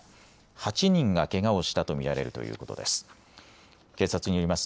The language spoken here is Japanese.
８人がけがをしたと見られるということです。